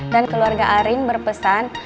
dan keluarga arin berpesan